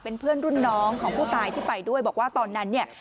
เป็นเพื่อนรุ่นน้องของผู้ตายที่ไปด้วยบอกว่าตอนนั้นเนี่ย